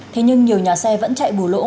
thế nhưng nhiều nhà xe vẫn chạy bù lỗ